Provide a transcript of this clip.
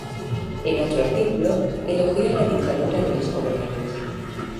En otro artículo, elogió a la Dictadura de los Coroneles.